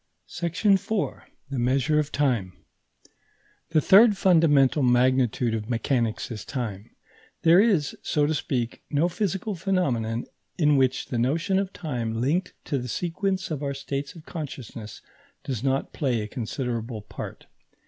§ 4. THE MEASURE OF TIME The third fundamental magnitude of mechanics is time. There is, so to speak, no physical phenomenon in which the notion of time linked to the sequence of our states of consciousness does not play a considerable part.